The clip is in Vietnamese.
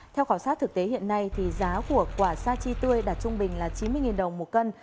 theo khảo sát thực tế hiện nay giá của quả sa chi tươi đạt trung bình là chín mươi đồng một cân